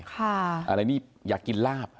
อะไรนี่อยากกินลาบ